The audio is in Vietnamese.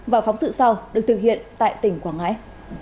và phóng sự sau được thực hiện tại tỉnh quảng ngãi